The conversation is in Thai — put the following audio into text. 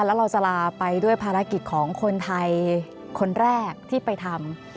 แล้วเราจะลาไปด้วยภารกิจของคนไทยคนแรกที่ไปทำ